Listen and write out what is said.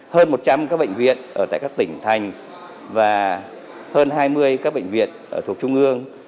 hơn một trăm linh các bệnh viện ở tại các tỉnh thành và hơn hai mươi các bệnh viện thuộc trung ương